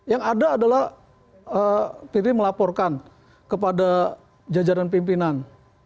yang ada adalah pd melaporkan kepada jajaran pimpinan